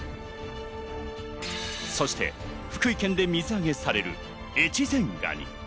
そして福井県で水揚げされる越前がに。